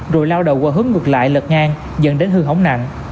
rồi lao đầu qua hướng ngược lại lật ngang dần đến hư hóng nặng